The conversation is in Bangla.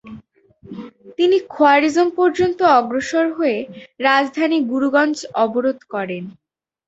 তিনি খোয়ারিজম পর্যন্ত অগ্রসর হয়ে রাজধানী গুরগঞ্জ অবরোধ করেন।